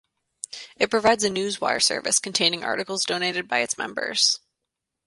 It provides a news wire service containing articles donated by its members.